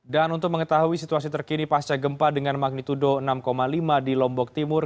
untuk mengetahui situasi terkini pasca gempa dengan magnitudo enam lima di lombok timur